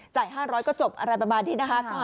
๕๐๐ก็จบอะไรประมาณนี้นะคะ